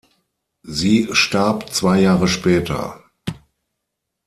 Sie starb zwei Jahre später.